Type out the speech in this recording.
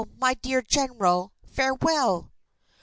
my dear General, farewell!"